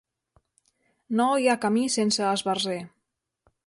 No hi ha camí sense esbarzer.